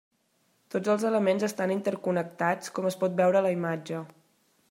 Tots els elements estan interconnectats com es pot veure a la imatge.